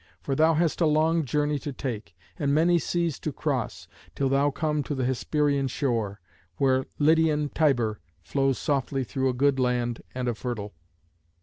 For thou hast a long journey to take, and many seas to cross, till thou come to the Hesperian shore, where Lydian Tiber flows softly through a good land and a fertile.